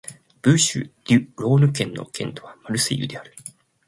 ブーシュ＝デュ＝ローヌ県の県都はマルセイユである